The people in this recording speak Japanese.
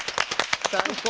最高！